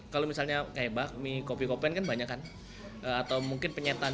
kalau misalnya kayak bakmi kopi kopen kan banyak kan atau mungkin penyetan